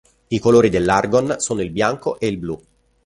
I colori dell'Argon sono il bianco e il blu